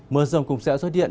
mưa rông cũng sẽ xuất hiện